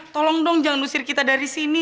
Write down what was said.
tolong dong jangan nusir kita dari sini